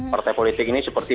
partai politik ini seperti